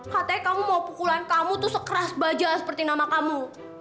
katanya kamu mau pukulan kamu tuh sekeras baja seperti nama kamu